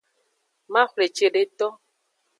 Maxwle cedeto.